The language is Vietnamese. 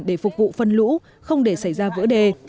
để phục vụ phân lũ không để xảy ra vỡ đề